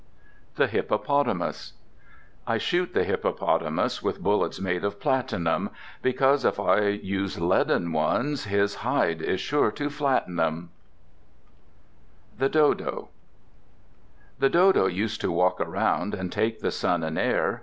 The Hippopotamus I shoot the Hippopotamus with bullets made of platinum, Because if I use leaden ones his hide is sure to flatten 'em. The Dodo The Dodo used to walk around, And take the sun and air.